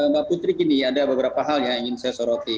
mbak putri gini ada beberapa hal yang ingin saya soroti